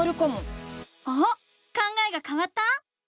考えがかわった？